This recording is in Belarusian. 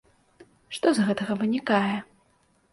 Што з гэтага вынікае?